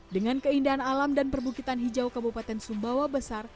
dengan keindahan alam dan perbukitan hijau kabupaten sumbawa besar